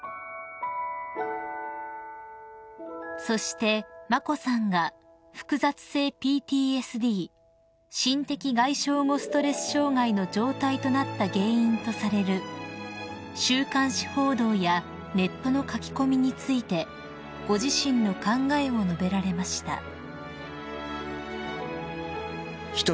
［そして眞子さんが複雑性ＰＴＳＤ心的外傷後ストレス障害の状態となった原因とされる週刊誌報道やネットの書き込みについてご自身の考えを述べられました］